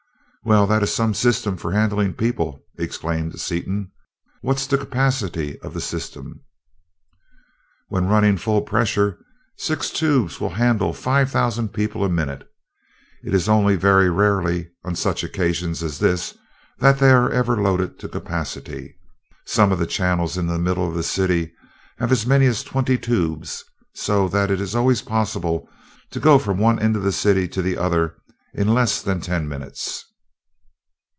"Well, that is some system for handling people!" exclaimed Seaton. "What's the capacity of the system?" "When running full pressure, six tubes will handle five thousand people a minute. It is only very rarely, on such occasions as this, that they are ever loaded to capacity. Some of the channels in the middle of the city have as many as twenty tubes, so that it is always possible to go from one end of the city to the other in less than ten minutes."